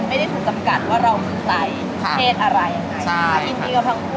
มีความสุขแล้ว